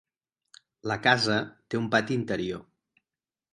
La casa té un pati interior.